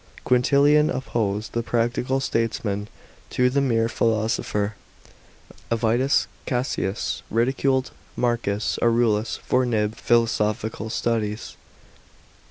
Quintilian opposed the practical statesman to the mere philosopher. Avidius Cassius ridiculed M«.rcus Aurelius for nib philosophical studies.